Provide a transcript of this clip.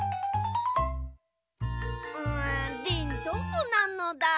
うんリンどこなのだ？